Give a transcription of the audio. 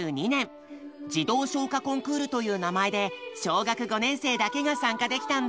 「児童唱歌コンクール」という名前で小学５年生だけが参加できたんだ。